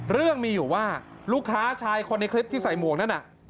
เรื่องมีอยู่ว่าลูกค้าชายคนในคลิปที่ใส่หมวกนั่นน่ะ